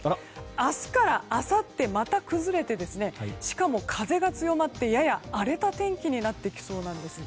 明日からあさって、また崩れてしかも風が強まってやや荒れた天気になってきそうです。